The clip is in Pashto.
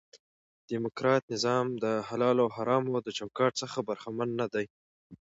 ډیموکراټ نظام دحلالو او حرامو د چوکاټ څخه برخمن نه دي.